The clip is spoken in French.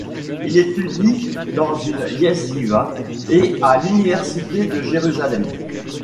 Il étudie dans une yeshiva et à l'Université de Jérusalem.